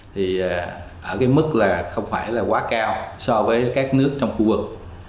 thì ở cái mức là không phải là quá cao so với các nước trong khu vực